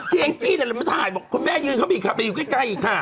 อย่างจริงถ้าเรามาถ่ายบอกคุณแม่ยืนเข้าไปอยู่ใกล้อีกค่ะ